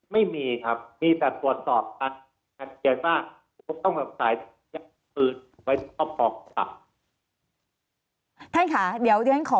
ไม่มีครับมีแต่ปรวจสอบแต่เดี๋ยวว่าต้องยังคืนไว้สร้างค่ะ